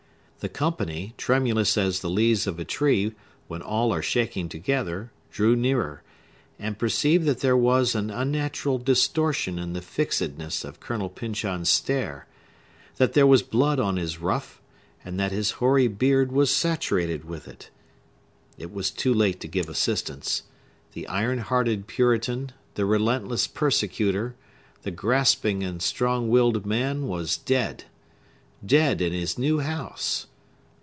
The company, tremulous as the leaves of a tree, when all are shaking together, drew nearer, and perceived that there was an unnatural distortion in the fixedness of Colonel Pyncheon's stare; that there was blood on his ruff, and that his hoary beard was saturated with it. It was too late to give assistance. The iron hearted Puritan, the relentless persecutor, the grasping and strong willed man was dead! Dead, in his new house!